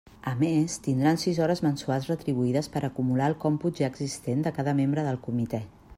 A més, tindran sis hores mensuals retribuïdes per acumular al còmput ja existent de cada membre del comitè.